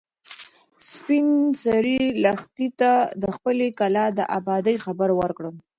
سپین سرې لښتې ته د خپلې کلا د ابادۍ خبر ورکړ.